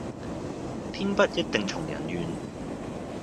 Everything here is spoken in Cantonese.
天不一定從人願